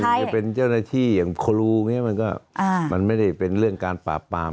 จะเป็นเจ้าหน้าที่อย่างครูอย่างนี้มันก็มันไม่ได้เป็นเรื่องการปราบปราม